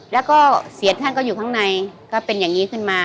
แล้วก็เสียท่านก็อยู่ข้างในก็เป็นอย่างนี้ขึ้นมา